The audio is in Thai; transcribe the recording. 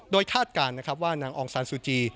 โดยคาดการณ์ว่านางองศาลซูจี